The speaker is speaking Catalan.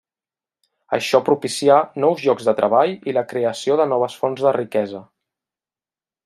Això propicià nous llocs de treball i la creació de noves fonts de riquesa.